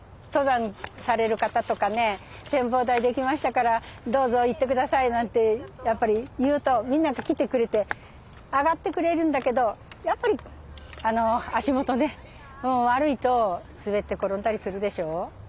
登山される方とかね「展望台出来ましたからどうぞ行って下さい」なんてやっぱり言うとみんなが来てくれて上がってくれるんだけどやっぱり足元ね悪いと滑って転んだりするでしょう。